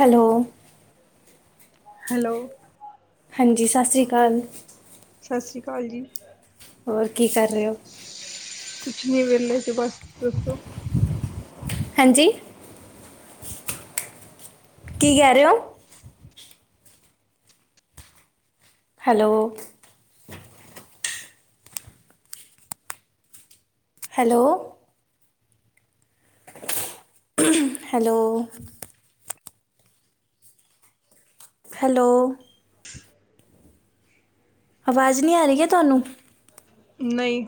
Hello hello ਹਾਂਜੀ ਸਤਿ ਸ਼੍ਰੀ ਅਕਾਲ। ਸਤਿ ਸ਼੍ਰੀ ਅਕਾਲ ਜੀ। ਹੋਰ ਕੀ ਕਰ ਰਹੇ ਓ। [inaudible] ਕੁਛ ਨੀ ਵੇਲੇ ਸੀ ਬਸ ਦੱਸੋ। ਹਾਂਜੀ ਕੀ ਕਹਿ ਰਹੇ ਓ। ਹੈਲੋ ਹੈਲੋ [inaudible] ਹੈਲੋ ਹੈਲੋ ਆਵਾਜ਼ ਨਹੀਂ ਆ ਰਹੀ ਹੈ ਤੁਹਾਨੂੰ ਨਹੀਂ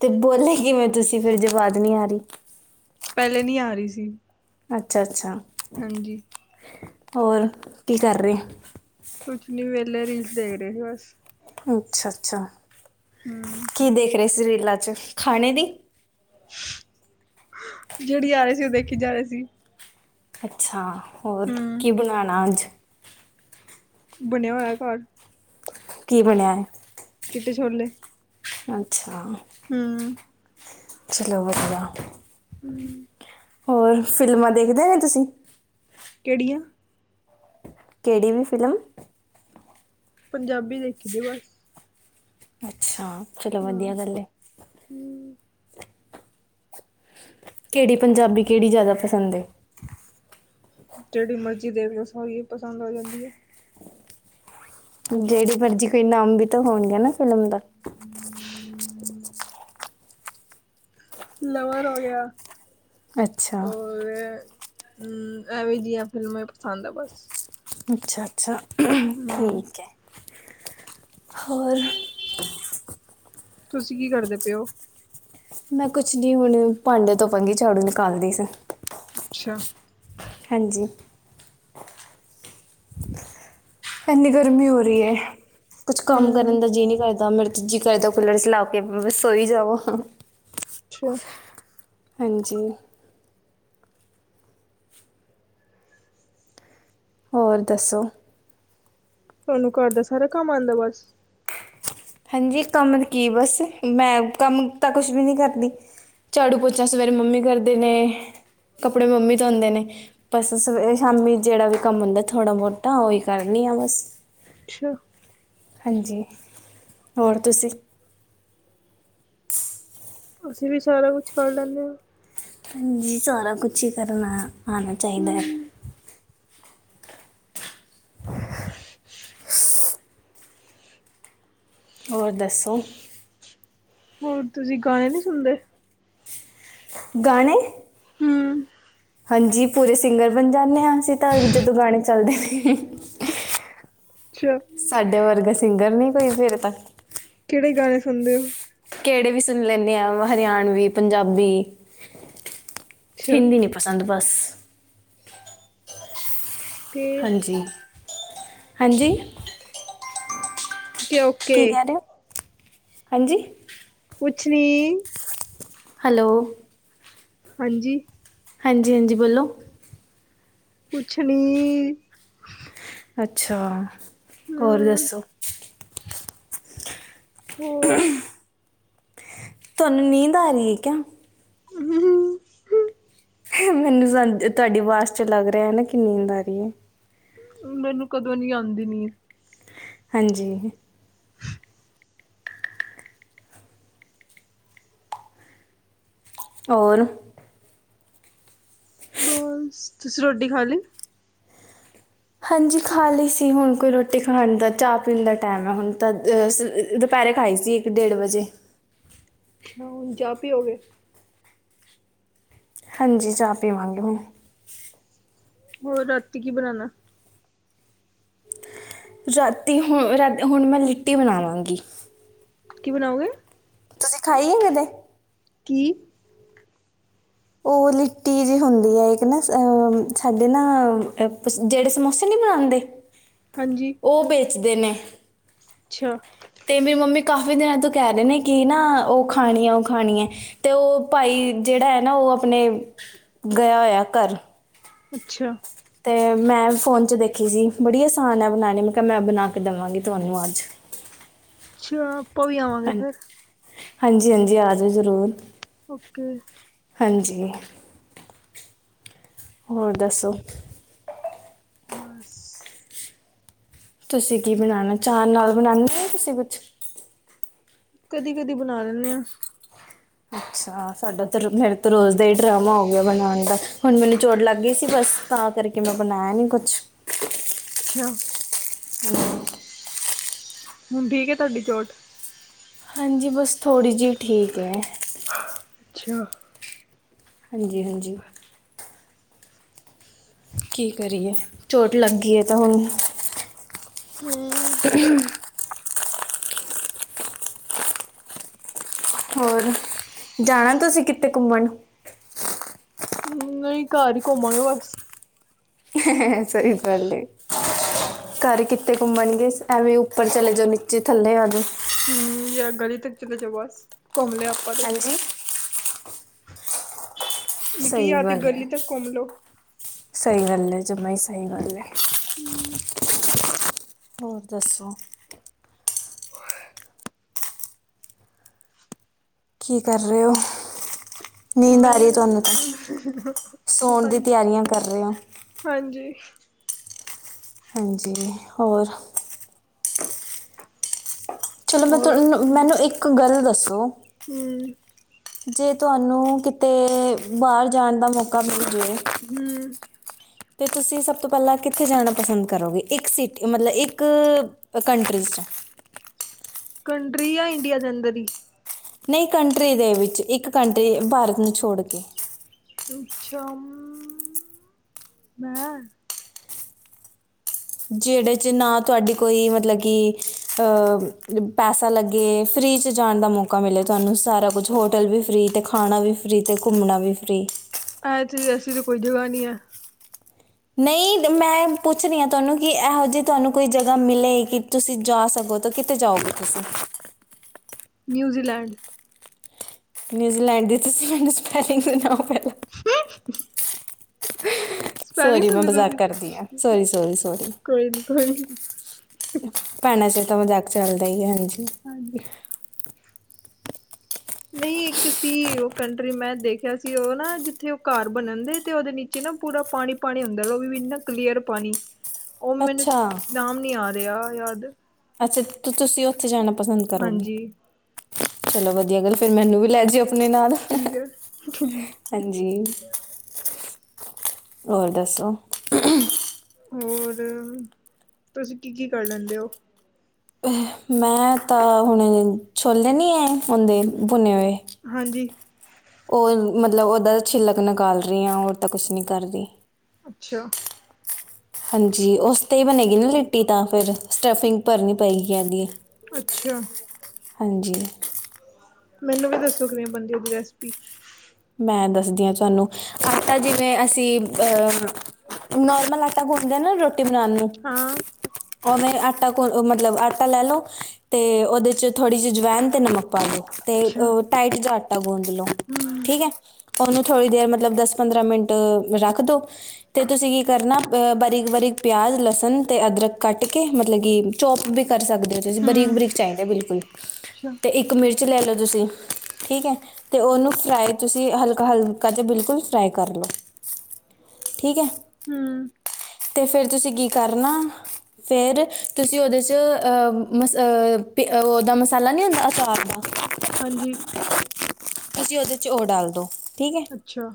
ਤੇ ਬੋਲੇ ਕਿਵੇਂ ਤੁਸੀਂ ਫਿਰ ਆਵਾਜ਼ ਨਹੀਂ ਆ ਰਹੀ। ਪਹਿਲੇ ਨਹੀਂ ਆ ਰਹੀ ਸੀ। ਅੱਛਾ -ਅੱਛਾ ਹਾਂਜੀ ਹੋਰ ਕੀ ਕਰ ਰਹੇ। ਕੁਛ ਨੀ ਵੇਲੇ ਰੀਲਸ ਦੇਖ ਰਹੇ ਸੀ ਬਸ ਅੱਛਾ -ਅੱਛਾ ਹਮ ਕੀ ਦੇਖ ਰਹੇ ਸੀ ਰੀਲਾ 'ਚ ਖਾਣੇ ਦੀ [inaudible] ਜਿਹੜੀ ਆ ਰਹੀ ਸੀ ਉਹ ਦੇਖੀ ਜਾ ਰਹੀ ਸੀ। ਅੱਛਾ ਹੋਰ ਹਮ ਕੀ ਬਣਾਣਾ ਅੱਜ ਬਣਿਆ ਹੋਇਆ ਘਰ ਕੀ ਬਣਿਆ ਹੈ। ਚਿੱਟੇ ਛੌਲੇ ਅੱਛਾ ਹੂੰ ਚਲੋ ਵਧੀਆ ਹੂੰ ਹੋਰ ਫ਼ਿਲਮਾਂ ਦੇਖਦੇ ਨੇ ਤੁਸੀ ਕਿਹੜੀਆਂ ਕਿਹੜੀ ਵੀ ਫਿਲਮ ਪੰਜਾਬੀ ਦੇਖੀ ਦੀ ਬਸ। ਹਾਂ ਚਲੋ ਵਧੀਆ ਹਮ ਗੱਲ ਏ। ਕਿਹੜੀ ਪੰਜਾਬੀ, ਕਿਹੜੀ ਜ਼ਿਆਦਾ ਪਸੰਦ ਏ? ਜਿਹੜੀ ਮਰਜ਼ੀ ਦੇਖ ਲੋ। ਸਾਰੀਆ ਹੀ ਪਸੰਦ ਆ ਜਾਂਦੀਆਂ ਏ। ਜਿਹੜੀ ਮਰਜ਼ੀ ਕੋਈ ਨਾਮ ਵੀ ਤਾਂ ਹੋਦਾ ਨਾ ਫਿਲਮ ਦਾ। [inaudible] ਲਵਰ ਹੋ ਗਿਆ। ਅੱਛਾ ਉਏ ਹੂੰ ਐਵੇਂ ਜਿਹੀਆਂ ਫਿਲਮਾਂ ਪਸੰਦ ਆ ਬਸ। ਅੱਛਾ ਅੱਛਾ ਹਮ ਠੀਕ ਹੈ। ਹੋਰ ਤੁਸੀਂ ਕੀ ਕਰਦੇ ਪੈ ਓ? ਮੈਂ ਕੁਛ ਨੀ, ਹੁਣ ਭਾਂਡੇ ਧੋਵਾਂਗੀ, ਝਾੜੂ ਨਿਕਾਲਦੀ ਸੀ। ਅੱਛਾ। ਹਾਂਜੀ। ਇੰਨੀ ਗਰਮੀ ਹੋ ਰਹੀ ਹੈ, ਕੁਛ ਕੰਮ ਹਮ ਕਰਨ ਦਾ ਜੀਅ ਨਹੀਂ ਕਰਦਾ। ਮੇਰੇ ਜੀ ਕਰਦਾ ਕੁੱਲਰ ਚਲਾ ਕੇ ਬਸ ਸੋਈ ਜਾਵਾਂ। ਅੱਛਾ। ਹਾਂਜੀ। ਹੋਰ ਦੱਸੋ। ਤੁਹਾਨੂੰ ਘਰ ਦਾ ਸਾਰਾ ਕੰਮ ਆਉਂਦਾ ਬਸ। ਹੈਂਜੀ ਕੰਮ ਕੀ ਬਸ, ਮੈਂ ਕੰਮ ਤਾਂ ਕੁਛ ਵੀ ਨਹੀਂ ਕਰਦੀ। ਝਾੜੂ ਪੋਚਾ ਸਵੇਰੇ ਮੰਮੀ ਕਰਦੇ ਨੇ, ਕੱਪੜੇ ਮੰਮੀ ਧੋਂਦੇ ਨੇ। ਬਸ ਸਵੇ ਸ਼ਾਮੀ ਜਿਹੜਾ ਵੀ ਕੰਮ ਹੁੰਦਾ, ਥੋੜ੍ਹਾ ਬਹੁਤਾ ਉਹੀ ਕਰਨੀ ਆ ਬਸ। ਛ ਹਾਂਜੀ। ਹੋਰ ਤੁਸੀਂ ਅਸੀਂ ਵੀ ਸਾਰਾ ਕੁਛ ਕਰ ਲੈਨੇ ਆ। ਹਾਂਜੀ, ਸਾਰਾ ਕੁਛ ਹੀ ਕਰਨਾ ਆਉਣਾ ਚਾਹੀਦਾ ਐ। ਹਮ ਹੋਰ ਦੱਸੋ। ਹੋਰ ਤੁਸੀਂ ਗਾਣੇ ਨਹੀਂ ਸੁਣਦੇ। ਗਾਣੇ ਹਮ ਹਾਂਜੀ ਪੂਰੇ ਸਿੰਗਰ ਬਣ ਜਾਂਦੇ ਹਾਂ, ਅਸੀਂ ਤਾਂ ਜਦੋਂ ਗਾਣੇ ਚੱਲਦੇ ਨੇ। ਅੱਛਾ। ਸਾਡੇ ਵਰਗਾ ਸਿੰਗਰ ਨਹੀਂ ਕੋਈ ਫੇਰ ਤਾਂ। ਕਿਹੜੇ ਗਾਣੇ ਸੁਣਦੇ ਹੋ। ਕਿਹੜੇ ਵੀ ਸੁਣ ਲੈਂਦੇ ਆ ਹਰਿਆਣਵੀ, ਪੰਜਾਬੀ, ਅੱਛਾ ਹਿੰਦੀ ਨੀ। ਪਸੰਦ ਬਸ। ਤੇ ਹਾਂਜੀ। ਹਾਂਜੀ ਕਿ ਕੀ ਓਕੇ ਕਹਿ ਰਹੇ ਓ। ਹਾਂਜੀ ਕੁਛ ਨੀ। ਹੈਲੋ ਹਾਂਜੀ। ਹਾਂਜੀ-ਹਾਂਜੀ ਬੋਲੋ। ਕੁਛ ਨੀ। ਅੱਛਾ। ਹੋਰ ਹਮ ਦੱਸੋ ਹੋ [unintelligible] ਤੁਹਾਨੂੰ ਨੀਂਦ ਆ ਰਹੀ ਹੈ ਕਿਆ। ਹੂੰ ਹੂੰ। ਮੈਨੂੰ ਤੁਹਾਡੀ [unintelligible] ਆਵਾਜ਼ ਚ ਲੱਗ ਰਿਹਾ ਨਾ, ਕੀ ਨੀਂਦ ਆ ਰਹੀ ਏ। ਮੈਨੂੰ ਕਦੇ ਨੀ ਆਉਂਦੀ ਨੀਂਦ ਹਾਂਜੀ। ਹੋਰ ਹੋਰ ਤੁਸ ਤੁਸੀਂ ਰੋਟੀ ਖਾ ਲੀ ਹਾਂਜੀ ਖਾ ਲਈ ਸੀ, ਹੁਣ ਕੋਈ ਰੋਟੀ ਖਾਣ ਦਾ ਚਾਹ ਪੀਣ ਦਾ ਟੈਮ ਹੈ ਹੁਣ ਤਾਂ ਅ [unintelligible] ਦੁਪਹਿਰੇ ਖਾਈ ਸੀ ਇੱਕ ਡੇਢ ਵਜੇ ਅੱਛਾ ਹੁਣ ਚਾਹ ਪੀਓਗੇ? ਹਾਂਜੀ, ਚਾਹ ਪੀਵਾਂਗੇ ਹੁਣ ਹੋਰ, ਰਾਤੀ ਕੀ ਬਣਾਣਾ ਰਾਤੀ ਹੁਣ ਰਾ ਹੁਣ ਮੈਂ ਲਿੱਟੀ ਬਣਾਵਾਂਗੀ ਕੀ ਬਣਾਓਗੇ ਤੂਸੀ ਖਾਈਏ ਕਦੇ? ਕੀ? ਓ ਲਿੱਟੀ ਜੀ ਹੁੰਦੀਏ ਇਕ ਨਾ, ਅ ਸਾਡੇ ਨਾ, ਜੇੜੇ ਸਮੋਸੇ ਨੀ ਬਨਾਂਦੇ ਓ ਬੇਚਦੇ ਨੇ ਛਾ ਤੇ ਮੇ ਮੰਮੀ ਕਾਫੀ ਦਿਨਾਂ ਤੋਂ ਕਹਿ ਰੇ ਨੇ ਕਿ ਨਾ, ਓ ਖਾਣੀ ਐ ਓ ਖਾਣੀ ਐ ਤੇ ਓ ਭਾਈ ਜੇੜਾ ਹੈਨਾ ਓ ਅਪਨੇ ਗੇਆ ਹੋਏਆ ਘਰ ਅੱਛਾ ਤੇ ਮੈਂ ਫੋਨ ਚ ਦੇਖੀ ਸੀ ਬੜੀ ਅਸਾਨੈ ਬਨਾਣੀ ਮੈਂ ਕੇਆ ਮੈਂ ਬਨਾ ਕੇ ਦਵਾਂਗੀ ਤੂਆਨੂ ਅਜ [unintelligible] ਛਾ ਆਪਾਂ ਵੀ ਆਵਾਂਗੇ ਫੇਰ ਹਾਂਜੀ ਹਾਂਜੀ ਆਜੋ ਜਰੂਰ ਓਕੇ ਹਾਂਜੀ ਹੋਰ ਦੱਸੋ ਸ ਤੂਸੀ ਕੀ ਬਨਾਨਾ? ਚਾਅ ਨਾਲ ਬਨਾਂਦੇ ਨੀ ਤੂਸੀ ਕੁਛ? ਕਦੀ, ਕਦੀ ਬਨਾ ਲੈਨੇ ਆ ਅੱਛਾ, ਸਾਡਾ ਤਾਂ ਰੋ ਮੇਰੇ ਤਾਂ ਰੋਜ ਦਾ ਈ ਡਰਾਮਾ ਹੋਗੇਆ ਬਨਾਨ ਦਾ ਹੁਨ ਮੈਨੂ ਚੋਟ ਲਗ ਗਈ ਸੀ ਬਸ ਤਾਂ ਕਰਕੇ ਮੈਂ ਬਣਾਇਆ ਨੀ ਕੁਛ ਛਾ [unintelligible] ਹੁਨ ਠੀਕੈ ਤੂਆਡੀ ਚੋਟ? ਹਾਂਜੀ, ਬਸ ਥੋੜੀ ਜੀ ਠੀਕ ਐ ਅੱਛਾ ਹਾਂਜੀ, ਹਾਂਜੀ ਕੀ ਕਰੀਏ ਚੋਟ ਲਗ ਗੀਏ ਤਾਂ ਹੁਨ ਹਮ [unintelligible] ਹੋਰ, ਜਾਣਾ ਤੂਸੀ ਕਿਤੇ ਘੁੰਮਣ? ਏਈ ਘਾਰ ਈ ਘੁੰਮਾਂਗੇ ਬਸ ਸਈ ਗਲ ਏ ਘਰ ਕਿਤੇ ਘੁੰਮਨਗੇ, ਐਵੇਂ ਉਪਰ ਚਲੇਜੋ ਨੀਚੇ ਥੱਲੇ ਆਜੋ। ਮ ਯਾ ਗਲੀ ਤਕ ਚਲੇਜੋ ਬਸ, ਘੁੰਮ ਲੇਆ ਆਪਾਂ ਤੇ ਹਾਂਜੀ ਕੀ ਆਤੇ ਗਲੀ ਤ ਘੁੰਮ ਲੋ ਸਈ ਗਲ ਏ ਜਮਾਈ ਸਈ ਗਲ ਏ ਹੋਰ ਦੱਸੋ ਕੀ ਕਰ ਰੇਓ ਨੀਂਦ ਮੈਂ ਆਰੀ ਤੂਆਨੂ ਸੋਨ ਦੀ ਹਾਂਜੀ ਤੇਆਰੀਆਂ ਕਰ ਰੇ ਆਂ ਹਾਂਜੀ। ਹਾਂਜੀ, ਹੋਰ? ਚਲੋ ਮੈਂ ਹੋਰ ਤੁਹਾਡੇ ਨਾਲ, ਮੈਨੂੰ ਇੱਕ ਗੱਲ ਦੱਸੋ? ਹੂ,,, ਜੇ ਤੁਹਾਨੂੰ ਕਿਤੇ ਬਾਹਰ ਜਾਣ ਦਾ ਮੌਕਾ ਮਿਲ ਜਾਵੇ ਹਮ ਤੇ ਤੁਸੀਂ ਸਬ ਤੋ ਪਹਿਲਾਂ ਕਿਥੇ ਜਾਣਾ ਪਸੰਦ ਕਰੋਗੇ? ਇਕ ਸੀਟੀ ਮਤਲਬ ਇਕ [unintelligible] ਕੰਟਰੀ ਯਾ ਇੰਡੀਆ ਦੇ ਅੰਦਰ ਈ? ਨਈ ਕੰਟਰੀ ਦੇ ਵਿਚ ਇਕ ਕੰਟਰੀ ਭਾਰਤ ਨੂੰ ਛੋੜ ਕੇ ਛਮ, ਮੈਂ ਜੇੜੇ ਚ ਨਾ ਤੁਹਾਡੀ ਕੋਈ ਮਤਲਬ ਕੀ, ਅ ਪੈਸਾ ਲਗੇ ਏ ਫ੍ਰੀ ਚ ਜਾਣ ਦਾ ਮੌਕ। ਮੌਕਾ ਮਿਲਿਆ ਤੁਹਾਨੂੰ ਸਾਰਾ ਕੁਛ ਹੋਟਲ ਵੀ ਫਰੀ ਤੇ ਖਾਣਾ ਵੀ ਫਰੀ ਤੇ ਘੁੰਮਣਾ ਵੀ ਫਰੀ ਐਥ ਅਸੀਂ ਤਾਂ ਕੋਈ ਜਗ੍ਹਾ ਨਹੀਂ ਹੈ। ਨਹੀਂ ਮੈਂ ਪੁੱਛ ਰਹੀ ਹਾਂ ਤੁਹਾਨੂੰ ਕਿ ਇਹੋ ਜਿਹੀ ਤੁਹਾਨੂੰ ਕੋਈ ਜਗ੍ਹਾ ਮਿਲੇ ਕਿ ਤੁਸੀਂ ਜਾ ਸਕੋ ਕਿਤੇ ਜਾਓਗੇ ਤੁਸੀਂ ਨਿਊਜ਼ੀਲੈਂਡ ਨਿਊਜ਼ੀਲੈਂਡ ਦੀ ਤੁਸੀਂ ਮੈਨੂੰ ਸਪੈਲਿੰਗ ਸੁਣਾਓ ਪਹਿਲਾਂ [unintelligible] ਸਪੈਨਿਸ਼ ਸੋਹਰੀ ਮੈਂ ਸੁਣੀ ਮਜਾਕ ਤੁਸੀਂ ਕਰਦੀ ਹਾਂ ਸੋਰੀ ਸੋਰੀ ਸੋਰੀ ਕੋਈ ਨੀ ਕੋਈ ਨੀ ਭੈਣਾਂ ਚਿਰ ਤਾਂ ਮਜਾਕ ਚੱਲਦਾ ਹਾਂਜੀ ਹਾਂਜੀ ਨਹੀਂ ਇੱਕ ਸੀ ਉਹ ਕੰਟਰੀ ਮੈਂ ਦੇਖਿਆ ਸੀ ਉਹ ਨਾ ਜਿੱਥੇ ਉਹ ਘਰ ਬਣਨ ਦੇ ਤੇ ਉਹਦੇ ਉੱਚ ਨਾ ਪੂਰਾ ਪਾਣੀ ਪਾਣੀ ਹੁੰਦਾ ਉਹ ਵੀ ਇੰਨਾ ਕਲੀਅਰ ਪਾਣੀ ਉਹ ਮੈਨੂੰ ਅੱਛਾ ਨਾਮ ਨੀ ਆ ਰਿਹਾ ਯਾਦ ਅੱਛਾ ਤੁਸੀਂ ਉੱਥੇ ਜਾਣਾ ਪਸੰਦ ਕਰੋਗੇ ਹਾਂਜੀ ਚਲੋ ਵਧੀਆ ਗੱਲ ਫਿਰ ਮੈਨੂੰ ਵੀ ਲੈ ਜਓ ਆਪਣੇ ਨਾਲ ਠੀਕ ਹੈ ਠੀਕ ਹਾਂਜੀ ਹੋਰ ਦੱਸੋ ਹੋਰ ਤੁਸੀਂ ਕੀ ਕੀ ਕਰ ਲੈਂਦੇ ਹੋ ਮੈਂ ਤਾਂ ਹੁਣ ਛੋਲੇ ਨੀ ਆ ਹਦੇ ਬੁਣੇ ਹੋਏ ਹਾਂਜੀ ਉਹ ਮਤਲਬ ਉਹਦਾ ਛਲਕ ਨਿਕਾਲ ਰਹੀ ਹਾਂ ਤਾਂ ਕੁਛ ਨਹੀਂ ਕਰ ਰਹੀ ਅੱਛਾ। ਹਾਂਜੀ ਉਸ ਤੇ ਹੀ ਬਣੇਗੀ ਨਾ ਲਿਟੀ ਤਾਂ ਫਿਰ ਸਟਫਿੰਗ ਭਰਨੀ ਪਏਗੀ ਇਹਦੀ ਅੱਛਾ ਹਾਂਜੀ ਮੈਨੂੰ ਵੀ ਦੱਸੋ ਕਿਵੇਂ ਬਣਦੀ ਇੰਦੀ ਰੈਸਿਪੀ ਮੈਂ ਦੱਸਦੀ ਹਾਂ ਤੁਹਾਨੂੰ ਆਟਾ ਜਿਵੇਂ ਅਸੀਂ ਅਹ ਨਰਮਲ ਆਟਾ ਗੁੱਲਦੇ ਨਾ ਰੋਟੀ ਰੋਟੀ ਬਣਾਉਣ ਨੂੰ ਹਾਂ ਓਵੇਂ ਆਟਾ ਕੋ ਮਤਲਬ ਆਟਾ ਲੈ ਲਓ ਅਤੇ ਉਹਦੇ 'ਚ ਥੋੜੀ ਜਿਹੀ ਜਵੈਨ ਤੇ ਨਮਕ ਪਾ ਲਉ ਅਤੇ ਅੱਛਾ ਟਾਈਟ ਜਿਹਾ ਆਟਾ ਗੂੰਦ ਲਉ ਹਮ ਉਹਨੂੰ ਥੋੜੀ ਦੇਰ ਮਤਲਬ ਦਸ ਪੰਦਰਾਂ ਮਿੰਟ ਰੱਖ ਦੋ ਤੇ ਤੁਸੀਂ ਕੀ ਕਰਨਾ ਬਾਰੀਕ ਬਾਰੀਕ ਪਿਆਜ ਲਸਣ ਤੇ ਅਦਰਕ ਕੱਟ ਕੇ ਮਤਲਬ ਕੀ ਚੋਪ ਵੀ ਕਰ ਸਕਦੇ ਹੋ ਤੁਸੀਂ ਬਰੀਕ ਹਮ ਬਰੀਕ ਚਾਹੀਦਾ ਬਿਲਕੁਲ ਅੱਛਾ ਅਤੇ ਇੱਕ ਮਿਰਚ ਲੈ ਲਓ ਤੁਸੀਂ ਠੀਕ ਹੈ ਤੇ ਉਹਨੂੰ ਫਰਾਈ ਤੁਸੀਂ ਹਲਕਾ ਹਲਕਾ ਜਿਹਾ ਬਿਲਕੁਲ ਫਰਾਈ ਕਰ ਲਓ ਠੀਕ ਹੈ। ਹੂ,,, ਤੇ ਫਿਰ ਤੁਸੀਂ ਕੀ ਕਰਨਾ ਫਿਰ ਤੁਸੀਂ ਉਹਦੇ 'ਚ ਉਹਦਾ ਮਸਾਲਾ ਨਹੀਂ ਹੁੰਦਾ ਅਚਾਰ ਦਾ ਹਾਂਜੀ ਤੁਸੀਂ ਉਹਦੇ 'ਚ'ਉਹ ਡਾਲ ਦਿਉ, ਠੀਕ ਹੈ। ਅੱਛਾ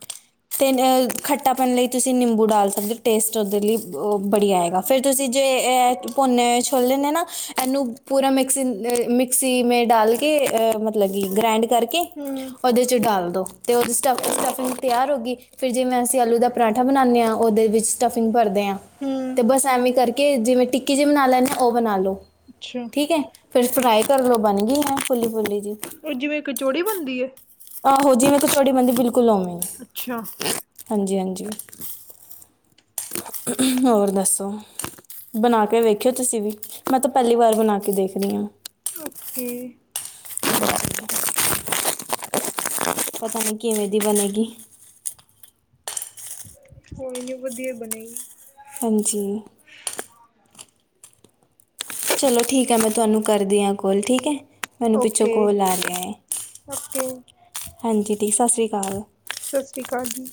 ਤੇ ਮੈ ਖੱਟਾ ਪਨ ਲਈ ਤੁਸੀਂ ਨਿੰਬੂ ਡਾਲ ਸਕਦੇ ਹੋ। ਟੇਸਟ ਉਹਦੇ ਲਈ ਉਹ ਬੜੀਆ ਹੈਗਾ। ਫੇਰ ਤੁਸੀਂ ਜੇ ਇਹ ਭੂਨੇ ਹੋਏ ਛੋਲ ਨੇ ਨਾ ਇਹਨੂੰ ਪੂਰਾ ਮਿਕਸੀ-ਮਿਕ੍ਸੀ ਮੈਂ ਡਾਲ ਕੇ ਅਹ ਮਤਲਬ ਕਿ ਗ੍ਰੈਂਡ ਕਰਕੇ ਹਮ ਉਹਦੇ ਚ ਡਾਲ ਦੋ ਤੇ ਉਹ ਸਟਫ ਸਟਫਿੰਗ ਤਿਆਰ ਹੋ ਗਈ। ਫੇਰ ਜਿਵੇਂ ਅਸੀਂ ਆਲੂ ਦਾ ਪਰਾਂਠਾ ਬਣਾਉਂਦੇ ਹਾਂ। ਉਹਦੇ ਵਿੱਚ ਸਟਫਿੰਗ ਭਰਦੇ ਹਾਂ। ਹਮ ਤੇ ਬਸ ਐਵੇਂ ਕਰਕੇ ਜਿਵੇਂ- ਟਿੱਕੀ ਜਿਹੀ ਬਣਾ ਲੈਂਦੇ ਉਹ ਬਣਾ ਲੋ। ਅੱਛਾ। ਠੀਕ ਹੈ। ਫਿਰ ਫਰਾਈ ਕਰ ਲਓ ਬਣ ਗਈ ਹੈ ਫੁੱਲੀ-ਫੁੱਲੀ ਜੀ। ਉਹ ਜਿਵੇਂ ਕਚੋੜੀ ਬਣਦੀ ਏ? ਆਹੋ, ਜਿਵੇ-ਕੀਚੋੜੀ ਬੰਦੀ ਬਿਲਕੁਲ ਓਵੇਂ। ਅੱਛਾ ਹਾਂਜੀ ਹਾਂਜੀ। ਹੋਰ ਦੱਸੋ। ਬਣਾ ਕੇ ਵੇਖਿਓ ਤੁਸੀਂ ਵੀ। ਮੈਂ ਤਾਂ ਪਹਿਲੀ ਵਾਰ ਬਣਾ ਕੇ ਦੇਖ ਰਹੀ ਹਾਂ। ਔਕੇ ਪਤਾ ਨੀ ਕਿਵੇਂ ਦੀ ਬਣੇਗੀ। ਕੋਈ ਨੀ ਵਧੀਆ ਹੈ ਬਣੇਗੀ। ਹਾਂਜੀ। ਚਲੋ ਠੀਕ ਹੈ। ਮੈਂ ਤੁਹਾਨੂੰ ਕਰਦੀ ਹਾਂ ਕੋਲ, ਠੀਕ ਹੈ। ਮੈਨੂੰ ਪਿੱਛੋਂ ਓਕੇ ਕੋਲ ਆ ਰਿਹਾ ਹੈ। ਓਕੇ ਹਾਂਜੀ, ਸਤਿ ਸ਼੍ਰੀ ਅਕਾਲ। ਸਤਿ ਸ਼੍ਰੀ ਅਕਾਲ ਜੀ।